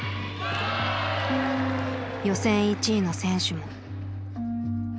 予選１位の選手も。